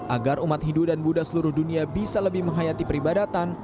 agar umat hindu dan buddha seluruh dunia bisa lebih menghayati peribadatan